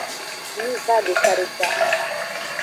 Miva deka deka.